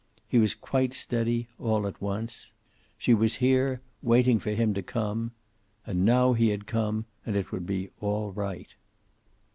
He was quite steady, all at once. She was here, waiting for him to come. And now he had come, and it would be all right.